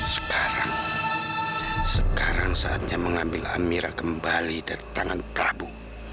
sekarang sekarang saatnya mengambil amira kembali dari tangan prabu